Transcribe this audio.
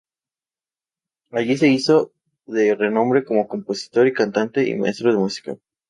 Allí se hizo de renombre como compositor, cantante y maestro de música.